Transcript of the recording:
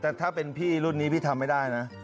แต่ถ้าเป็นพี่รุ่นนี้พี่ทำไม่ได้นะ